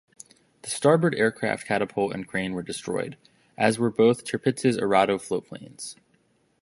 The starboard aircraft catapult and crane were destroyed, as were both "Tirpitz"s Arado floatplanes.